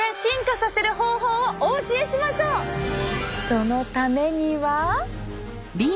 そのためには。